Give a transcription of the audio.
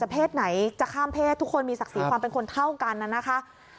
แต่เพศไหนจะข้ามเพศทุกคนมีศักดิ์ศรีความเป็นคนเท่ากันนะคะ